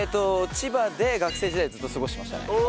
千葉で学生時代をずっと過ごしてましたね。